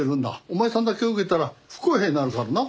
お前さんだけ受けたら不公平になるからな。